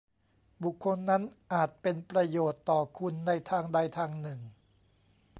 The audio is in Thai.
บุคคลนั้นอาจเป็นประโยชน์ต่อคุณในทางใดทางหนึ่ง